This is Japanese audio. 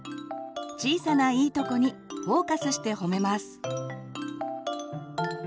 小さな「イイトコ」にフォーカスして褒めます。